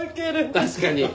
確かに。